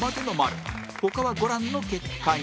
他はご覧の結果に